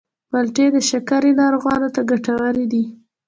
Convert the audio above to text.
مالټې د شکرې ناروغانو ته ګټورې دي.